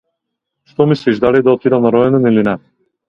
Што мислиш дали да отидам на роденден или не?